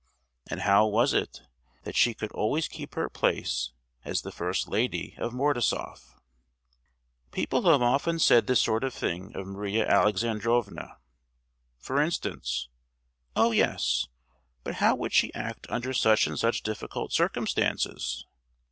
And how was it that she could always keep her place as the first lady of Mordasoff? People have often said this sort of thing of Maria Alexandrovna; for instance: "Oh—yes, but how would she act under such and such difficult circumstances?"